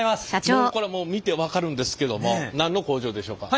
もうこれはもう見て分かるんですけども何の工場でしょうか？